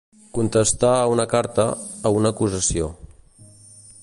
Contestar a una carta, a una acusació.